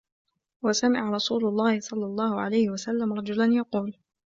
وَسَمِعَ رَسُولُ اللَّهِ صَلَّى اللَّهُ عَلَيْهِ وَسَلَّمَ رَجُلًا يَقُولُ